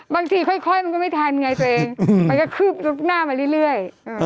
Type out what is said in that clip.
ค่อยมันก็ไม่ทันไงตัวเองมันก็คืบหน้ามาเรื่อย